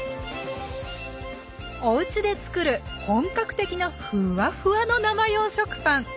おうちで作る本格的なふっわふわの生用食パン！